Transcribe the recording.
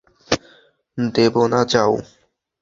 দেবো না, যাও।